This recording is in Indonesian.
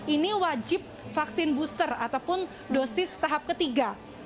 ini wajib vaksin booster ataupun dosis tahap ketiga